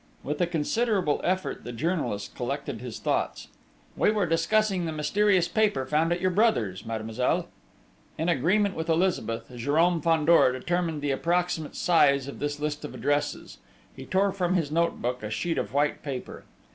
With a considerable effort, the journalist collected his thoughts. "We were discussing the mysterious paper found at your brother's, mademoiselle." In agreement with Elizabeth, Jérôme Fandor determined the approximate size of this list of addresses. He tore from his note book a sheet of white paper.